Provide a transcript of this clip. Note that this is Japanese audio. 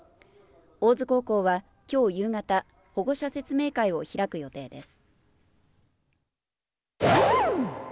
大津高校はきょう夕方、保護者説明会を開く予定です。